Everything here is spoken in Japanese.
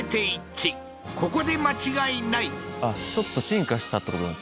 ここで間違いないあっちょっと進化したってことなんですかね